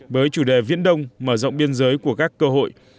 với chủ đề viễn đông mở rộng biên giới của các cơ hội